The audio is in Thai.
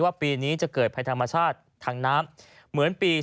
ปีนี้จะเกิดภัยธรรมชาติทางน้ำเหมือนปี๒๕